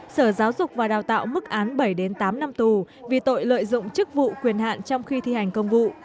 sở giáo dục và đào tạo mức án bảy tám năm tù vì tội lợi dụng chức vụ quyền hạn trong khi thi hành công vụ